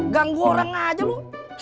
ganggu orang aja lo